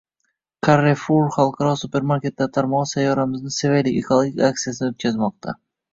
Carrefour xalqaro supermarketlar tarmog‘i “Sayyoramizni sevaylik” ekologik aksiyasini o‘tkazmoqda